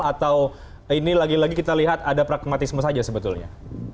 atau ini lagi lagi kita lihat ada pragmatisme saja sebetulnya